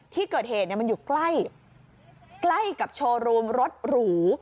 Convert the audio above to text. ที่เกิดเหตุมันอยู่ใกล้กับโชว์รูมรถหรู